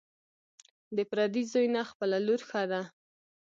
ـ د پردي زوى نه، خپله لور ښه ده.